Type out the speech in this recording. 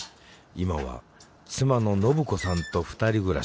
今は妻の信子さんと２人暮らしだ。